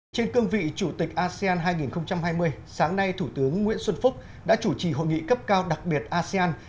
trên cương vị chủ tịch asean hai nghìn hai mươi sáng nay thủ tướng nguyễn xuân phúc đã chủ trì hội nghị cấp cao đặc biệt asean